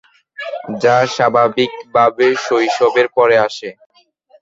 যা স্বাভাবিকভাবে শৈশবের পরে আসে।